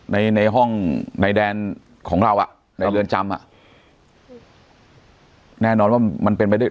ในในห้องในแดนของเราอ่ะในเรือนจำอ่ะแน่นอนว่ามันเป็นไปได้